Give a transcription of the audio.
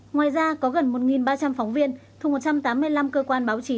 ngoài ra có gần một ba trăm linh phóng viên thu một trăm tám mươi năm cơ quan báo chí